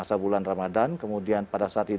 redo pengambilan agendanya delfast gig